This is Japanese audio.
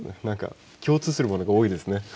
何か共通するものが多いですね。